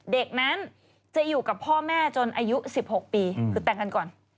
เด็กนั้นจะอยู่กับพ่อแม่จนอายุ๑๖ปีคือแต่งกันก่อน